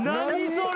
それ。